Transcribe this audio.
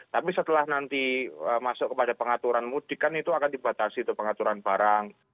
tapi setelah nanti masuk kepada pengaturan mudik kan itu akan dibatasi itu pengaturan barang